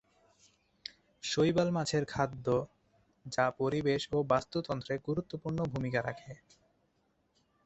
শৈবাল মাছের খাদ্য, যা পরিবেশ ও বাস্তুতন্ত্রে গুরুত্বপূর্ণ ভুমিকা রাখে।